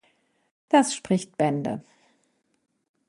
Das spricht Bände!